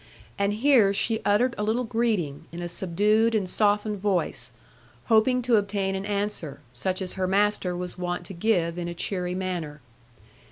And here she uttered a little greeting, in a subdued and softened voice, hoping to obtain an answer, such as her master was wont to give in a cheery manner.